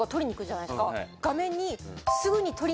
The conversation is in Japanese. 画面に。